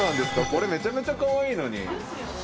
これめちゃめちゃカワイイのに。